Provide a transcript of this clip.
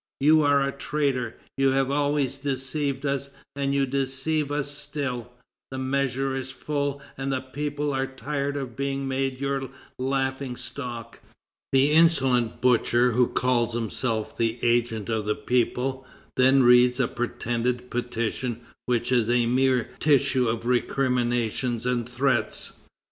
You are a traitor. You have always deceived us, and you deceive us still; the measure is full, and the people are tired of being made your laughing stock." The insolent butcher, who calls himself the agent of the people, then reads a pretended petition which is a mere tissue of recriminations and threats.